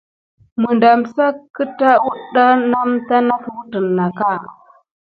Məndamsa keda wuda nameta nat widinaka.